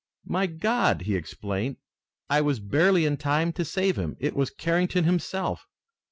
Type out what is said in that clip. "My God!" he exclaimed. "I was barely in time to save him! It was Carrington himself!"